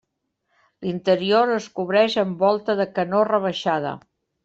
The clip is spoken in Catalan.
L'interior es cobreix amb volta de canó rebaixada.